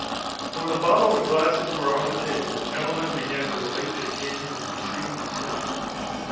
When the bottle and glasses were on the table the gentleman began to relate the occasion of the preceding disturbance.